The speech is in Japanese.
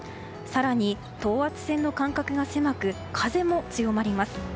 更に、等圧線の間隔が狭く風も強まります。